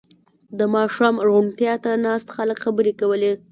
• د ماښام روڼتیا ته ناست خلک خبرې کولې.